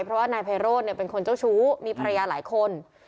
เพราะว่านายไพโรธเป็นคนเจ้าชู้มีภรรยาหลายคน